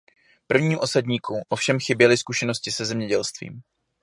Prvním osadníkům ovšem chyběly zkušenosti se zemědělstvím.